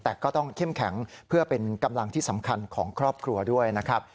แต่ก็ต้องเข้มแข็งเพื่อเป็นกำลังที่สำคัญของครอบครัวด้วยนะครับ